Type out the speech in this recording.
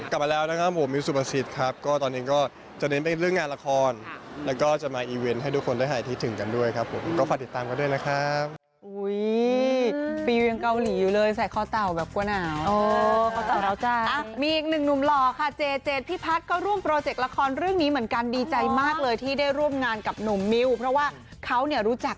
กลับมาแล้วนะครับผมมีสุขภาษิตครับ